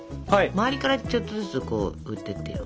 周りからちょっとずつ振ってってよ。